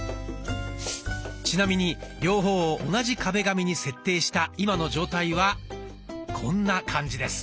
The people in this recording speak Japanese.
ちなみに両方を同じ壁紙に設定した今の状態はこんな感じです。